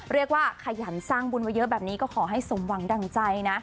ขยันสร้างบุญมาเยอะแบบนี้ก็ขอให้สมหวังดั่งใจนะ